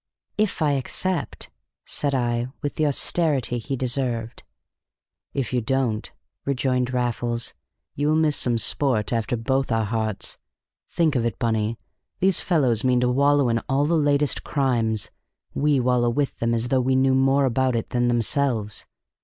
"If I accept," said I, with the austerity he deserved. "If you don't," rejoined Raffles, "you will miss some sport after both our hearts. Think of it, Bunny! These fellows meet to wallow in all the latest crimes; we wallow with them as though we knew more about it than themselves.